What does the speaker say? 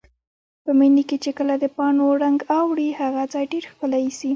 په مني کې چې کله د پاڼو رنګ اوړي، هغه ځای ډېر ښکلی ایسي.